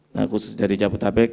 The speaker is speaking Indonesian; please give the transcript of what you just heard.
nah khusus dari jabodabek